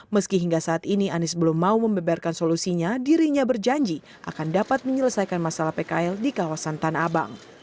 meski hingga saat ini anies belum mau membeberkan solusinya dirinya berjanji akan dapat menyelesaikan masalah pkl di kawasan tanah abang